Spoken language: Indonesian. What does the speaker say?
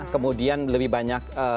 kemudian lebih banyak